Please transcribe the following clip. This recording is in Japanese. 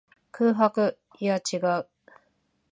空白。いや、違う。